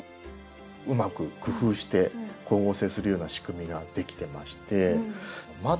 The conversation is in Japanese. うまく工夫して光合成するような仕組みができてまして「窓」